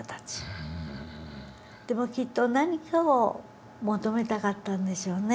でもきっと何かを求めたかったんでしょうね。